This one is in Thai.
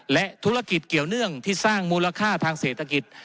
และธุรกิจเกี่ยวเนื่องที่สร้างมูลค่าทางเศรษฐกิจ